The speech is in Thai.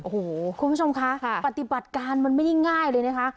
โอ้โหคุณผู้ชมคะปฏิบัติการมันไม่ได้ง่ายเลยนะคะ